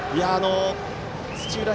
土浦